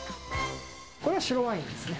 これは白ワインですね。